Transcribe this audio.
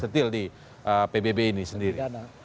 detil di pbb ini sendiri